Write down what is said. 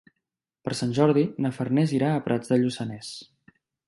Per Sant Jordi na Farners irà a Prats de Lluçanès.